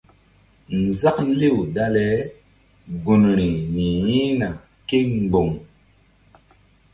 Nzaklew dale gunri yi̧h yi̧hna kémboŋ.